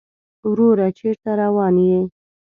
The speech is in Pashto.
وروره چېرته روان يې؟